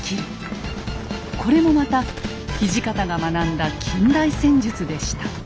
これもまた土方が学んだ近代戦術でした。